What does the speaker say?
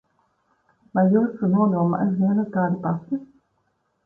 Vai jūsu nodomi aizvien ir tādi paši?